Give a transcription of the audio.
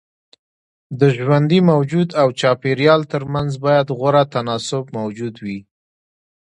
د ژوندي موجود او چاپيريال ترمنځ بايد غوره تناسب موجود وي.